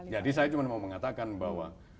jadi saya cuma mau mengatakan bahwa